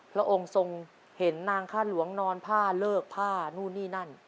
พระองค์ทรงเห็นนางค่าหลวงนอนผ้าเลิกผ้านู่นนี่นั่น